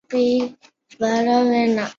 江户时代舟山万年命名。